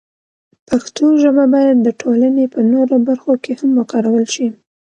پښتو ژبه باید د ټولنې په نورو برخو کې هم وکارول شي.